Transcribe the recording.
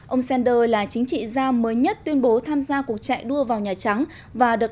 hai nghìn hai mươi ông sanders là chính trị gia mới nhất tuyên bố tham gia cuộc chạy đua vào nhà trắng và được